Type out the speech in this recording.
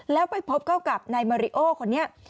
แล้วไปพบเข้ากับนายมาริโอคนนี้